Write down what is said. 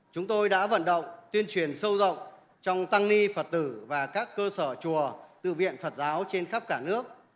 chúng tôi đã vận động tuyên truyền sâu rộng trong tăng ni phật tử và các cơ sở chùa tự viện phật giáo trên khắp cả nước